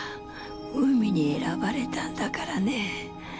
海に選ばれたんだからね」